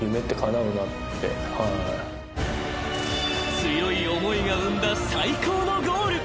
［強い思いが生んだ最高のゴール］